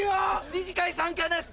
２次会参加です！